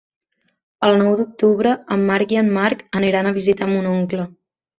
El nou d'octubre en Marc i en Marc aniran a visitar mon oncle.